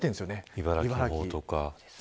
茨城の方とか。